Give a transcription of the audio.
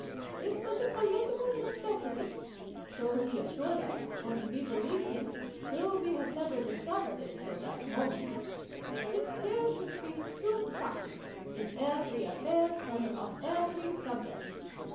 It was a political necessity (so he assured us, and we believed him, though we had never discovered it till that moment) that there should be two Parties, in every affair and on every subject.